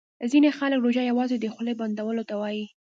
ځیني خلګ روژه یوازي د خولې بندولو ته وايي